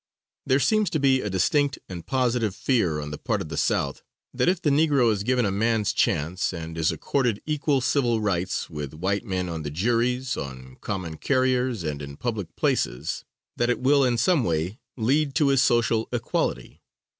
There seems to be a distinct and positive fear on the part of the South that if the negro is given a man's chance, and is accorded equal civil rights with white men on the juries, on common carriers, and in public places, that it will in some way lead to his social equality.